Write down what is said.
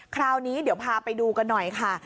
คราวนี้เดี๋ยวพาไปดูกันหน่อยค่ะ